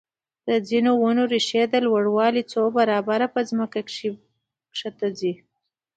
د ځینو ونو ریښې د لوړوالي څو برابره په ځمکه کې ښکته ځي.